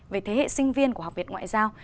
về thế hệ sinh viên của học viện ngoại giao